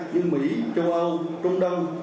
như mỹ châu âu trung đông